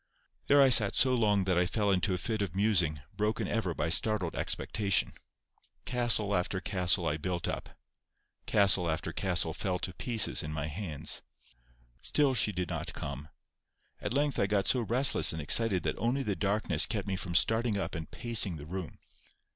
There I sat so long that I fell into a fit of musing, broken ever by startled expectation. Castle after castle I built up; castle after castle fell to pieces in my hands. Still she did not come. At length I got so restless and excited that only the darkness kept me from starting up and pacing the room.